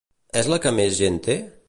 És la que més gent té?